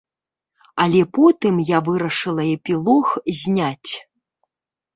Але потым я вырашыла эпілог зняць.